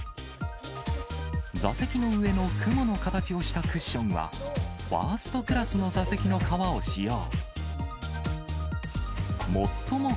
座席の上の雲の形をしたクッションは、ファーストクラスの座席の革を使用。